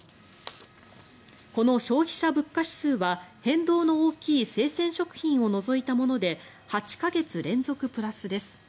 この消費者物価指数は変動の大きい生鮮食品を除いたもので８か月連続プラスです。